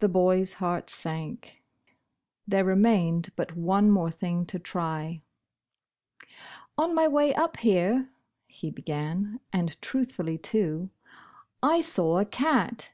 The boy's heart sank. There remained but one more thing to try. Bosh Bosh Oil. IS "On my way up here," he began (and truth fully too), "I saw a cat."